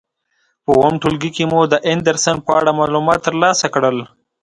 په اووم ټولګي کې مو د اندرسن په اړه معلومات تر لاسه کړل.